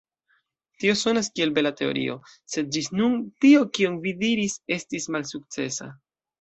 Tio sonas kiel bela teorio, sed ĝis nun tio kion vi diris estis malsukcesa.